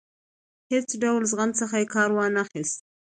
هیڅ ډول زغم څخه کار وانه خیست.